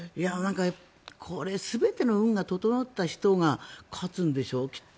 これ、全ての運が整った人が勝つんでしょう、きっと。